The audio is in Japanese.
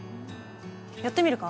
やってみるか？